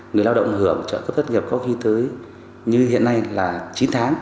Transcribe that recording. người lao động hưởng trợ cấp thất nghiệp có khi tới như hiện nay là chín tháng